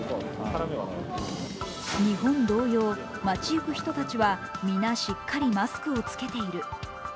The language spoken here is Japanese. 日本同様、町行く人たちは皆しっかりマスクを着けている。